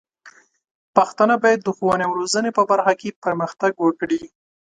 پښتانه بايد د ښوونې او روزنې په برخه کې پرمختګ وکړي.